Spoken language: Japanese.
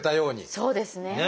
そうですね。